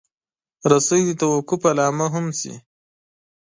رسۍ د توقف علامه هم شي.